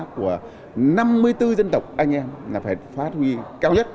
của năm mươi bốn dân tộc anh em là phải phát huy cao nhất